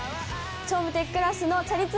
『超無敵クラス』のチャリ通